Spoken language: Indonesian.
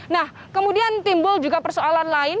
nah kemudian timbul juga persoalan lain